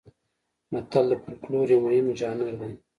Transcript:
متل د فولکلور یو مهم ژانر دی